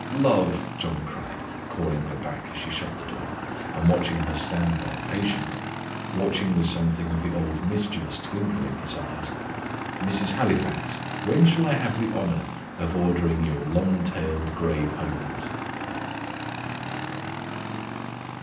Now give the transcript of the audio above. "Love!" John cried, calling her back as she shut the door, and watching her stand there patient watching with something of the old mischievous twinkle in his eyes. "Mrs. Halifax, when shall I have the honour of ordering your long tailed grey ponies?"